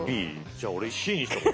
じゃあ俺Ｃにしとこ。